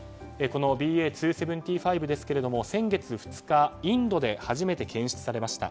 このＢＡ．２．７５ですが先月２日インドで初めて検出されました。